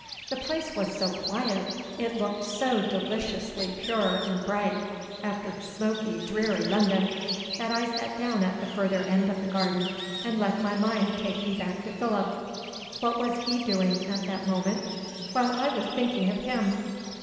The place was so quiet, it looked so deliciously pure and bright, after smoky dreary London, that I sat down at the further end of the garden and let my mind take me back to Philip. What was he doing at that moment, while I was thinking of him?